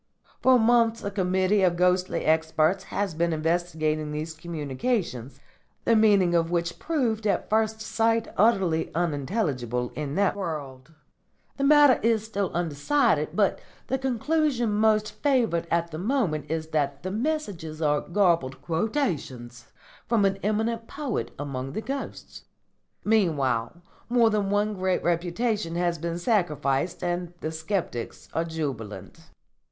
For months a committee of ghostly experts has been investigating these communications, the meaning of which proved at first sight utterly unintelligible in that world. The matter is still undecided; but the conclusion most favoured at the moment is that the messages are garbled quotations from an eminent poet among the ghosts. Meanwhile more than one great reputation has been sacrificed and the sceptics are jubilant."